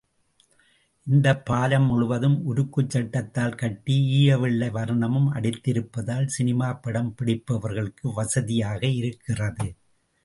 இந்தப் பாலம் முழுவதும் உருக்குச்சட்டத்தால் கட்டி ஈயவெள்ளை வர்ணமும் அடித்திருப்பதால் சினிமாப்படம் பிடிப்பவர்களுக்கு வசதியாக இருக்கிறது.